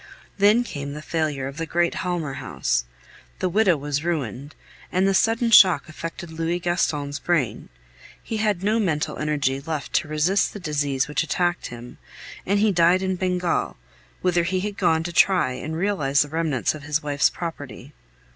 Then came the failure of the great Halmer house; the widow was ruined, and the sudden shock affected Louis Gaston's brain. He had no mental energy left to resist the disease which attacked him, and he died in Bengal, whither he had gone to try and realize the remnants of his wife's property.